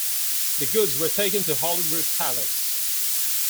The goods were taken to Holyrood Palace.